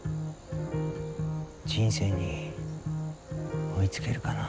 人生に追いつけるかな。